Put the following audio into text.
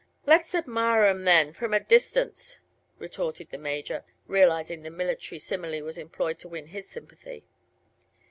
"Let's admire 'em, then from a distance," retorted the Major, realizing the military simile was employed to win his sympathy.